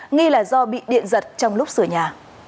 nghi là do bị điện giật trong lúc sửa nhà